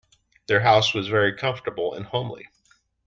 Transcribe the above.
Their house was very comfortable and homely